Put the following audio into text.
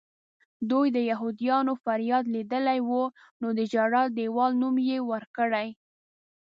دوی د یهودیانو فریاد لیدلی و نو د ژړا دیوال نوم یې ورکړی.